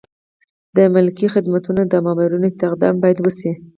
د ملکي خدمتونو د مامورینو استخدام باید وشي.